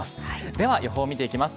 では予報見ていきます。